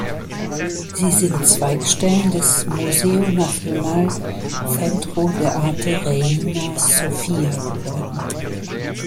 Sie sind Zweigstellen des "Museo Nacional Centro de Arte Reina Sofía" geworden.